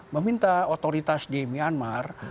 meminta otoritas di myanmar